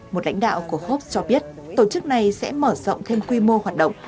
một lãnh đạo của hope cho biết tổ chức này sẽ mở rộng thêm quy mô hoạt động